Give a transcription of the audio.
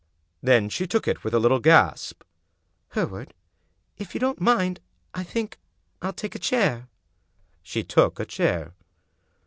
Then she took it with a little gasp. " Hereward, if you don't mind, I think I'll take a chair." She took a chair.